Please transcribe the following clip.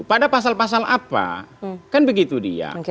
pada pasal pasal apa kan begitu dia